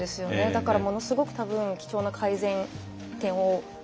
だから、ものすごく多分、貴重な改善点。